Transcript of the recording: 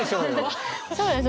そうです。